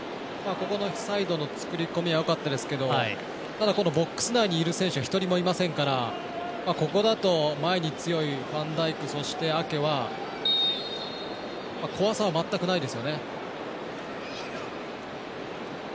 サイドの作り込みはよかったですけどボックス内にいる選手が一人もいませんからここだと前に強いファンダイクそしてアケは怖さは全くないですよね。